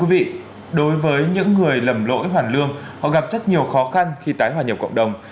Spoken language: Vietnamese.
thưa quý vị đối với những người lầm lỗi hoàn lương họ gặp rất nhiều khó khăn khi tái hòa nhập cộng đồng